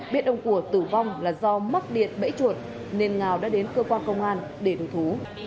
biết ông cùa tử vong là do mắc điện bẫy chuột nên ngào đã đến cơ quan công an để thủ thú